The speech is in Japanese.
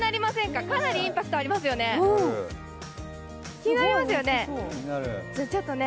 かなりインパクトありますよね。